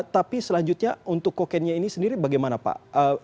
tapi selanjutnya untuk coca cocainnya ini sendiri bagaimana pak